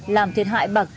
làm thiệt hại bạc tỉ